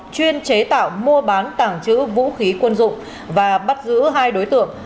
chuyên chế tạo mua bán tàng trữ vũ khí quân dụng và bắt giữ hai đối tượng